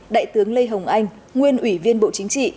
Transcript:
đại tướng lê hồng anh nguyên ủy viên bộ chính trị